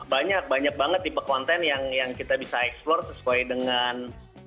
banyak banyak banget tipe konten yang kita bisa eksplore sesuai dengan